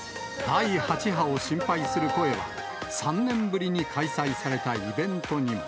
第８波を心配する声は、３年ぶりに開催されたイベントにも。